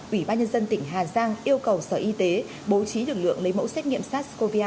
ủy ban nhân dân tỉnh hà giang yêu cầu sở y tế bố trí lực lượng lấy mẫu xét nghiệm sars cov hai